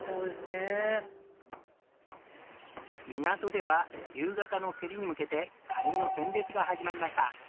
港では夕方の競りに向けてカニの選別が始まりました。